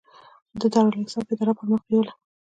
د دارالاحساب اداره پرمخ بیوله.